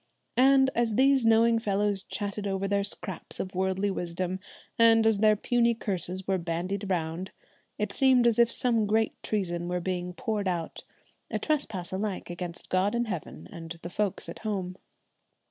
And, as these knowing fellows chattered over their scraps of worldly wisdom, and as their puny curses were bandied round, it seemed as if some great treason were being poured out, a trespass alike against God in heaven and the folks at home.